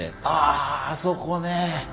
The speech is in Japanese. ああそこね。